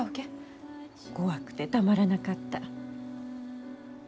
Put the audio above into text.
怖くてたまらなかった。